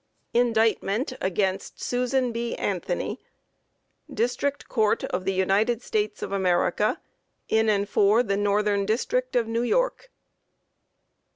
INDICTMENT AGAINST SUSAN B. ANTHONY. DISTRICT COURT OF THE UNITED STATES OF AMERICA, IN AND FOR THE NORTHERN DISTRICT OF NEW YORK.